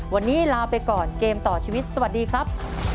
วันนี้ลาไปก่อนเกมต่อชีวิตสวัสดีครับ